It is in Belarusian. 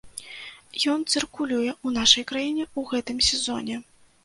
Ён цыркулюе ў нашай краіне ў гэтым сезоне.